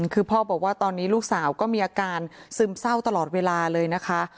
คือพ่อบอกว่าตอนนี้ลูกสาวก็มีอาการซึมเศร้าตลอดเวลาเลยนะคะ